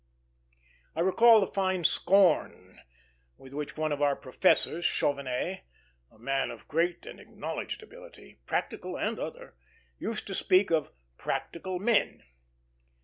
I recall the fine scorn with which one of our professors, Chauvenet, a man of great and acknowledged ability, practical and other, used to speak of "practical men."